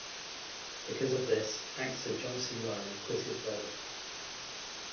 Because of this, actor John C. Reilly quit his role.